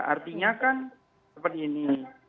artinya kan seperti ini